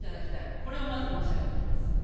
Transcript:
これをまず申し上げておきます。